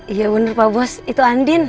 iya benar pak bos itu andin